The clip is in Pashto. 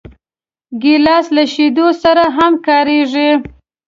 ګیلاس له شیدو سره هم کارېږي.